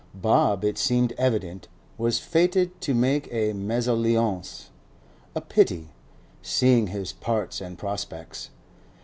Bob, it seemed evident, was fated to make a mesalliance—a pity, seeing his parts and prospects.